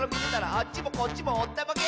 「あっちもこっちもおったまげ！」